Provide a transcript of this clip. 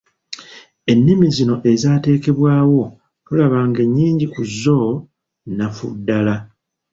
Ennimi zino ezaateekebwawo tulaba ng'ennyingi ku zzo nnafu ddala.